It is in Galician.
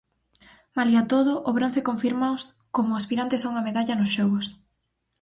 Malia todo, o bronce confírmaos como aspirantes a unha medalla nos Xogos.